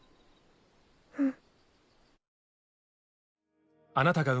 うん。